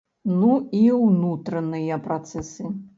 Ну і ўнутраныя працэсы.